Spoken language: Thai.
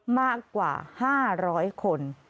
มากกว่า๕๐๐คน